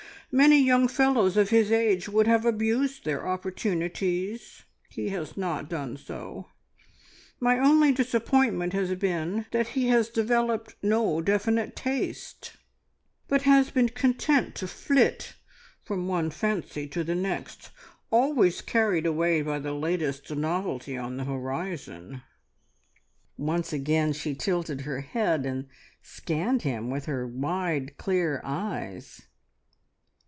Many young fellows of his age would have abused their opportunities. He has not done so. My only disappointment has been that he has developed no definite taste, but has been content to flit from one fancy to the next, always carried away by the latest novelty on the horizon." Once again she tilted her head and scanned him with her wide, clear eyes.